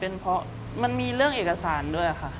เป็นเพราะมันมีเรื่องเอกสารด้วยค่ะ